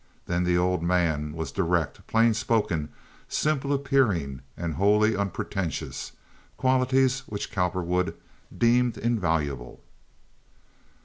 Then the old man was direct, plain spoken, simple appearing, and wholly unpretentious—qualities which Cowperwood deemed invaluable.